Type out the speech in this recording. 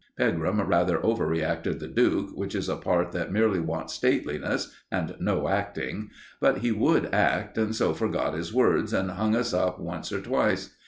Pegram rather overacted the Duke, which is a part that merely wants stateliness, and no acting; but he would act, and so forgot his words and hung us up once or twice.